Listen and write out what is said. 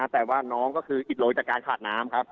แต่ว่าน้องก็คืออิดโรยจากการขาดน้ำครับ